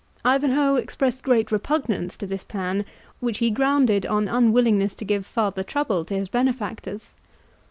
Ivanhoe expressed great repugnance to this plan, which he grounded on unwillingness to give farther trouble to his benefactors.